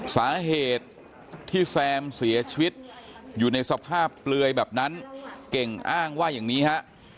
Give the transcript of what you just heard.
สาเหตุที่แซมเสียชีวิตอยู่ในสภาพเปลือยแบบนั้นเก่งอ้างว่าอย่างนี้ฮะ